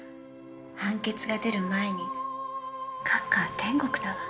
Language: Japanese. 判決が出る前に閣下は天国だわ。